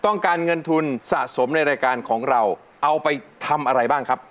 ต้องการเงินทุนสะสมในรายการของเราเอาไปทำอะไรบ้างครับ